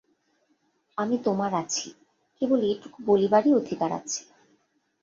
আমি তোমার আছি, কেবল এইটুকু বলিবারই অধিকার আছে।